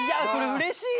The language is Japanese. うれしい！